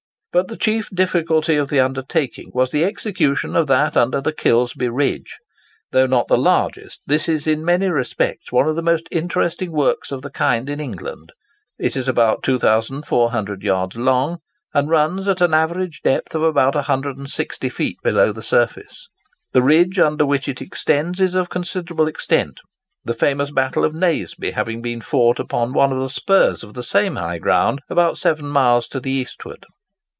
But the chief difficulty of the undertaking was the execution of that under the Kilsby ridge. Though not the largest, this is in many respects one of the most interesting works of the kind in England. It is about 2400 yards long, and runs at an average depth of about 160 feet below the surface. The ridge under which it extends is of considerable extent, the famous battle of Naseby having been fought upon one of the spurs of the same high ground about seven miles to the eastward.